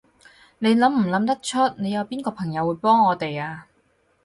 你諗唔諗得出，你有邊個朋友會幫我哋啊？